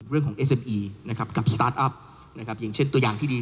ขึ้นแอปบนระบบมือถือหรือบนระบบคิวเตอร์